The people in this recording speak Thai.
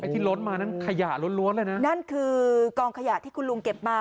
ที่ล้นมานั่นขยะล้วนเลยนะนั่นคือกองขยะที่คุณลุงเก็บมา